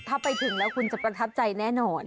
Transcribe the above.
ถ้าไปถึงแล้วคุณจะประทับใจแน่นอน